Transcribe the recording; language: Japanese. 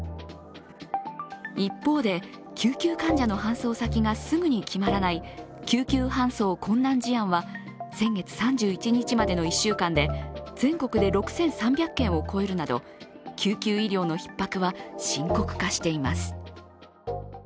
一方で、救急患者の搬送先がすぐに決まらない救急搬送困難事案は先月３１日までの１週間で、全国で６３００件を超えるなど救急医療のひっ迫は深刻化しています。